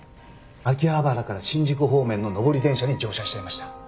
秋葉原から新宿方面の上り電車に乗車していました。